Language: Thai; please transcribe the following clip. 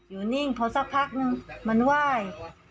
อยู่นิ่งพอสักพักนึงมันไหว้